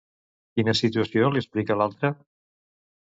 Quina situació li explica l'altre?